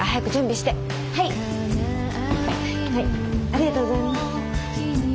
ありがとうございます。